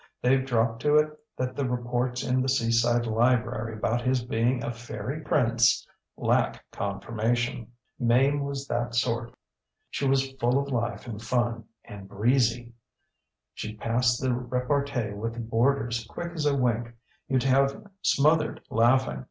TheyŌĆÖve dropped to it that the reports in the Seaside Library about his being a fairy prince lack confirmation. ŌĆ£Mame was that sort. She was full of life and fun, and breezy; she passed the repartee with the boarders quick as a wink; youŌĆÖd have smothered laughing.